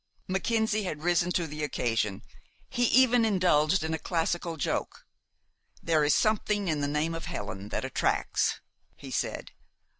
Mackenzie had risen to the occasion. He even indulged in a classical joke. "There is something in the name of Helen that attracts," he said.